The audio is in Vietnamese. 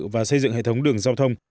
và xây dựng hệ thống đường giao thông